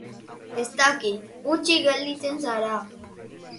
Ez dakit, hutsik gelditzen zara.